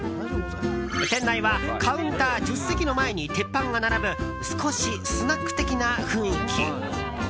店内は、カウンター１０席の前に鉄板が並ぶ少しスナック的な雰囲気。